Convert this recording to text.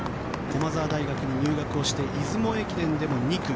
駒澤大学に入学して出雲駅伝でも２区。